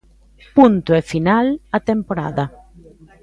Punto e final a temporada.